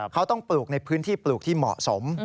เขาต้องปลูกในพื้นที่ปลูกที่เหมาะสม